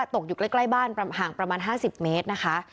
ตกอยู่ใกล้บ้านห่างประมาณ๕๐เมตรนะคะ